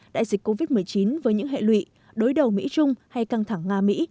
đại dịch covid một mươi chín với những hệ lụy đối đầu mỹ trung hay căng thẳng nga mỹ